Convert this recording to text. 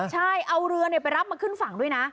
ใช่เอาเรือไปรับมาขึ้นฝั่งด้วยนะ